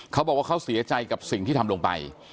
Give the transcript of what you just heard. เขาบอกว่าเขาเสียใจกับสิ่งที่ทำลงไป